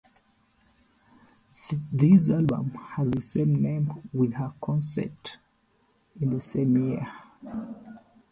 This album has the same name with her concert in the same year.